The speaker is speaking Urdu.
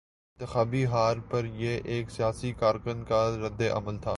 انتخابی ہار پر یہ ایک سیاسی کارکن کا رد عمل تھا۔